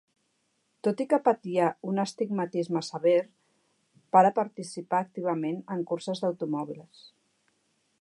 Tot i que patia un astigmatisme sever, para participar activament en curses d'automòbils.